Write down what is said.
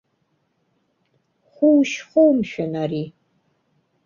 Хәу шьхоу, мшәан, ари?!